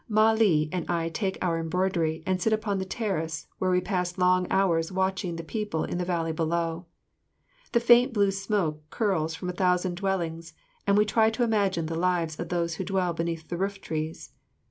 Mah li and I take our embroidery and sit upon the terrace, where we pass long hours watching the people in the valley below. The faint blue smoke curls from a thousand dwellings, and we try to imagine the lives of those who dwell beneath the rooftrees.